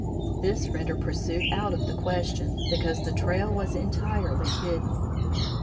This rendered pursuit out of the question, because the trail was entirely hidden.